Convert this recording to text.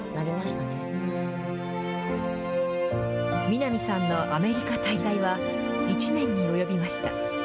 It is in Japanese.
南さんのアメリカ滞在は、１年に及びました。